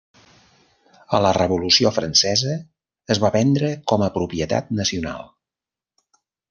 A la Revolució Francesa es va vendre com a propietat nacional.